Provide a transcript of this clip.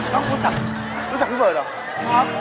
น้องคุณต่างลู้สักพี่เบิร์ดหรือ